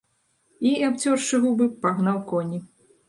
І, абцёршы губы, пагнаў коні.